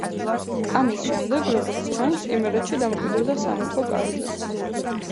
ამის შემდეგ, როგორც ჩანს, იმერეთში დამკვიდრდა სამეფო კარზე.